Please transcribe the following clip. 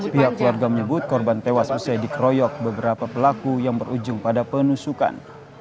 pihak keluarga menyebut korban tewas usai dikeroyok beberapa pelaku yang berujung pada penusukan